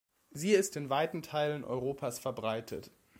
Sie ist in weiten Teilen Europas verbreitet.